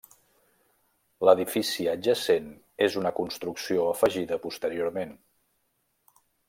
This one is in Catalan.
L'edifici adjacent és una construcció afegida posteriorment.